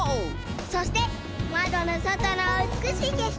そしてまどのそとのうつくしいけしき。